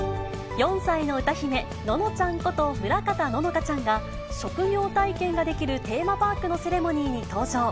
４歳の歌姫、ののちゃんこと、村方乃々佳ちゃんが、職業体験ができるテーマパークのセレモニーに登場。